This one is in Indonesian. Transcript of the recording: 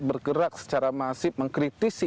bergerak secara masif mengkritisi